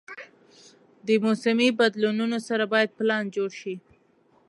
د موسمي بدلونونو سره باید پلان جوړ شي.